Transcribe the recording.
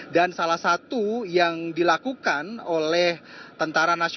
dan salah satu yang dilakukan oleh tni